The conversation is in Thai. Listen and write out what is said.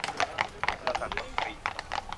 สุรศักดิ์มนตรี